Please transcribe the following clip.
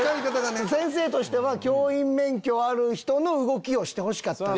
先生としては教員免許ある人の動きをしてほしかった。